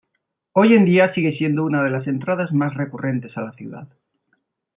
Hoy en día sigue siendo una de las entradas más recurrentes a la ciudad.